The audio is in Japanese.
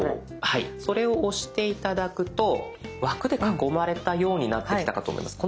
はいそれを押して頂くと枠で囲まれたようになってきたかと思います。